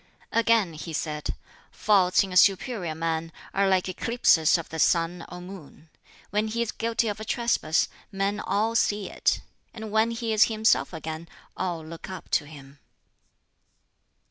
Again he said, "Faults in a superior man are like eclipses of the sun or moon: when he is guilty of a trespass men all see it; and when he is himself again, all look up to him."